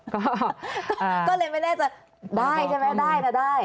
ก็เลยไม่น่าจะได้ใช่ไหมได้นะได้